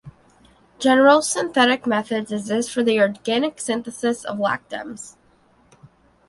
General synthetic methods exist for the organic synthesis of lactams.